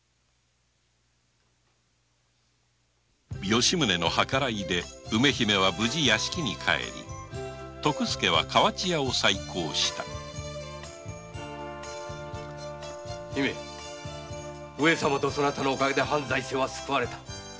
吉宗の計らいで梅姫は無事屋敷に帰り徳助は河内屋を再興した上様と姫のお陰で藩財政は救われた。